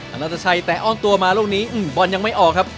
นัทชัยแต่อ้อนตัวมาลูกนี้บอลยังไม่ออกครับ